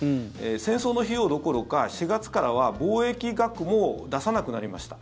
戦争の費用どころか、４月からは貿易額も出さなくなりました。